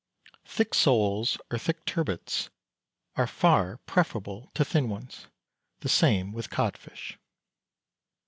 Thick soles, or thick turbots, are far preferable to thin ones. The same with codfish.